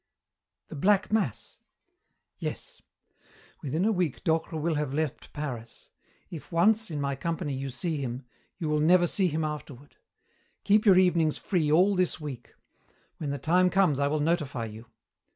"The Black Mass?" "Yes. Within a week Docre will have left Paris. If once, in my company, you see him, you will never see him afterward. Keep your evenings free all this week. When the time comes I will notify you.